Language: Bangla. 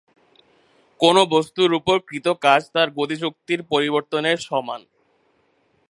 কোন বস্তুর উপর কৃত কাজ তার গতিশক্তির পরিবর্তনের সমান।